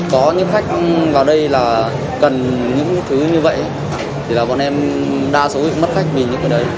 có những khách vào đây là cần những thứ như vậy thì là bọn em đa số bị mất khách vì những cái đấy